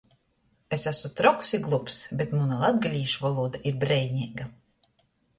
Es asu troks i glups, bet muna latgalīšu volūda ir breineiga!